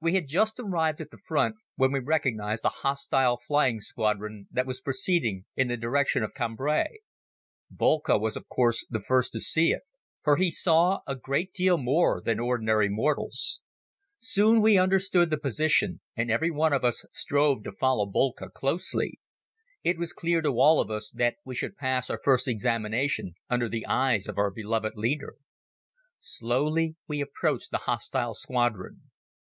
We had just arrived at the Front when we recognized a hostile flying squadron that was proceeding in the direction of Cambrai. Boelcke was of course the first to see it, for he saw a great deal more than ordinary mortals. Soon we understood the position and everyone of us strove to follow Boelcke closely. It was clear to all of us that we should pass our first examination under the eyes of our beloved leader. Slowly we approached the hostile squadron.